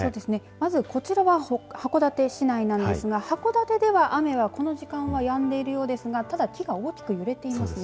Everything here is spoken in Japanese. まず、こちらは函館市内なんですが函館ではこの時間雨はやんでいるようですがただ、木が大きく揺れていますね。